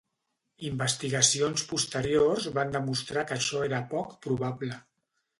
Investigacions posteriors van demostrar que això era poc probable.